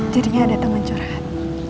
jadinya ada teman curhat